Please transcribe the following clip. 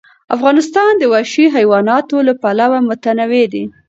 افغانستان د وحشي حیواناتو له پلوه متنوع دی.